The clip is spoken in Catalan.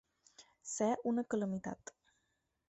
Ser una calamitat.